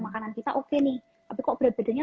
makanan kita oke nih tapi kok berat badannya